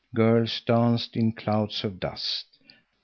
Girls danced in clouds of dust.